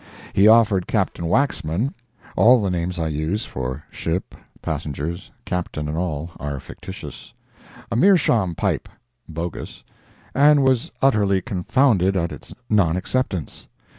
He offered Captain Waxman (all the names I use—for ship, passengers, Captain and all—are fictitious,) a meerschaum pipe (bogus) and was utterly confounded at its non acceptance.